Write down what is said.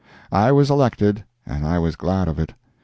I was elected, and I was glad of it.